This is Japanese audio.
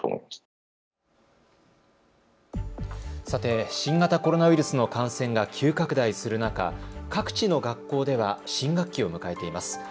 さて新型コロナウイルスの感染が急拡大する中、各地の学校では新学期を迎えています。